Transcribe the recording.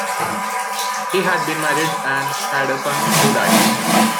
He had been married and had a son, who died.